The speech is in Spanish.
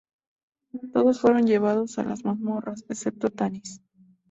Todos fueron llevados a las mazmorras, excepto Tanis.